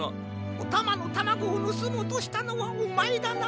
おたまのタマゴをぬすもうとしたのはおまえだな？